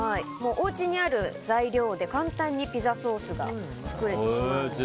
おうちにある材料で簡単にピザソースが作れてしまうんです。